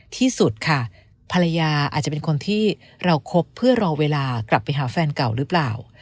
ที่สุดค่ะภรรยาอาจจะเป็นคนที่เราคบเพื่อรอเวลากลับไปหาแฟนเก่าหรือเปล่า